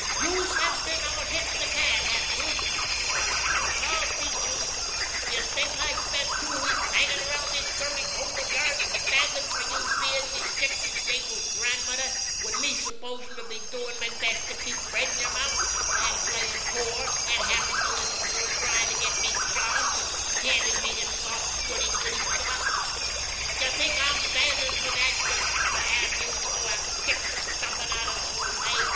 "Youse have been out hittin' de can, have youse?" snarled the Cherub. "I'll teach youse! Do youse think I've spent two weeks hangin' around dis dirty hole of yers, an' standin' fer youse being me sick, disabled grandmother wid me supposed to be doin' me best to keep bread in yer mouth, an' playin' poor, an' having to listen to her tryin' to get me jobs, an' handin' me de soft, goody goody talk—d'ye think I'm standin' fer dat just to have youse go out an' kick de stuffin' outer de whole lay!